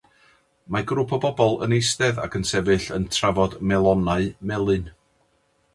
Mae grŵp o bobl yn eistedd ac yn sefyll yn trafod melonau melyn